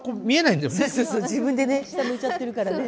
自分でね下向いちゃってるからね。